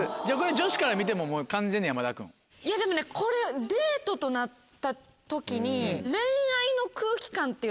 女子から見ても完全に山田君？いやでもねこれデートとなった時に。